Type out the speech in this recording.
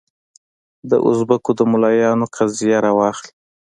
د اوزبکو د ملایانو قضیه راواخلې.